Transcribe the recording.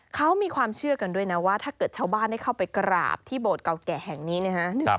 เขามีความเชื่อกันด้วยนะว่าถ้าเกิดชาวบ้านได้เข้าไปกราบที่โบสถ์เก่าแก่แห่งนี้นะฮะ